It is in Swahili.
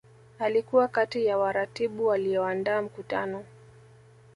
Alikuwa kati ya waratibu walioandaa mkutano